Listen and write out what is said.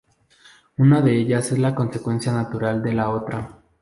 Una de ellas es la consecuencia natural de la otra.